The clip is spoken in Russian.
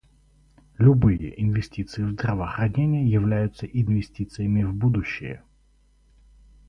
Любые инвестиции в здравоохранение являются инвестициями в будущее.